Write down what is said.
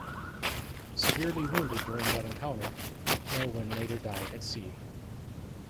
Severely wounded during that encounter, Aylwin later died at sea.